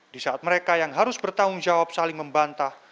di saat mereka yang harus bertanggung jawab saling membantah